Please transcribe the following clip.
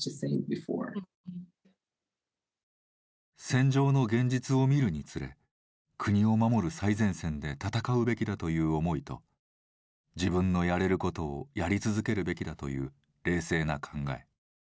戦場の現実を見るにつれ国を守る最前線で戦うべきだという思いと自分のやれることをやり続けるべきだという冷静な考え。